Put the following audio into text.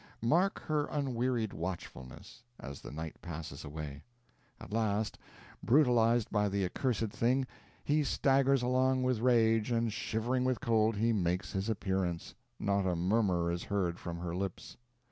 Mark her unwearied watchfulness, as the night passes away. At last, brutalized by the accursed thing, he staggers along with rage, and, shivering with cold, he makes his appearance. Not a murmur is heard from her lips.